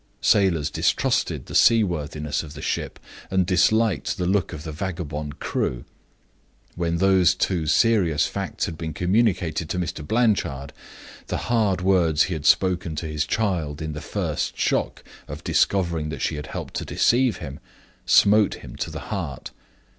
Sailors distrusted the sea worthiness of the ship, and disliked the look of the vagabond crew. When those two serious facts had been communicated to Mr. Blanchard, the hard words he had spoken to his child in the first shock of discovering that she had helped to deceive him smote him to the heart.